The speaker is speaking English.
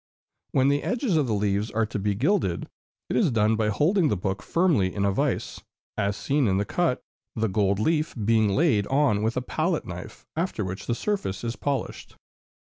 When the edges of the leaves are to be gilded, it is done by holding the books firmly in a vise, as seen in the cut, the gold leaf being laid on with a pallet knife; after which the surface is polished.